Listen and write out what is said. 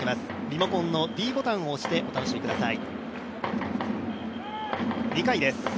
リモコンのｄボタンを押してお楽しみください。